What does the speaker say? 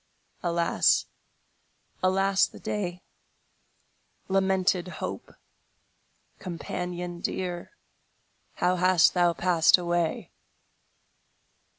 Alas, alas the day, Lamented hope, companion dear, How hast thou passed away!